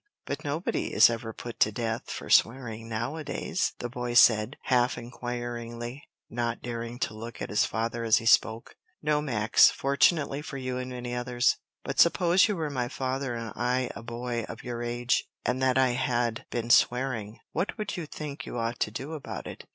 But nobody is ever put to death for swearing nowadays?" the boy said, half inquiringly, not daring to look at his father as he spoke. "No, Max, fortunately for you and many others. But suppose you were my father and I a boy of your age, and that I had been swearing, what would you think you ought to do about it?"